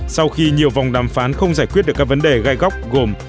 sau khi nhiều vòng đàm phán không giải quyết được các vấn đề gai góc gồm